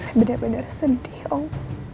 saya benar benar sedih oh